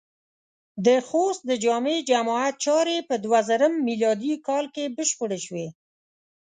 د خوست د جامع جماعت چارې په دوهزرم م کال کې بشپړې شوې.